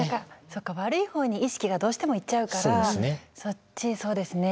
そうか悪い方に意識がどうしてもいっちゃうからそっちそうですね。